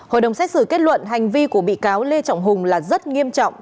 hội đồng xét xử kết luận hành vi của bị cáo lê trọng hùng là rất nghiêm trọng